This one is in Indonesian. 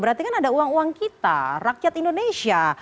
berarti kan ada uang uang kita rakyat indonesia